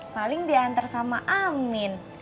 paling dianter sama amin